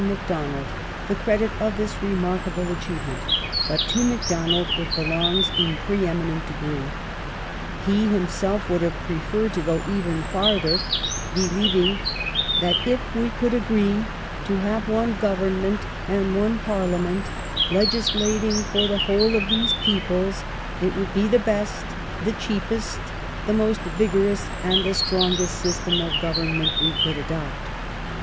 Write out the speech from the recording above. Macdonald the credit of this remarkable achievement ; but to Macdonald it belongs in pre eminent degree. He himself would have preferred to go even farther, believing that " if we could agi*ee to have one Government and one Parliament, legislating for the whole of these peoples, it would be the best, the cheapest, the most vigorous, and the strongest system of Government we could adopt